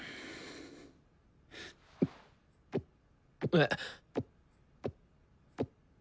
えっ。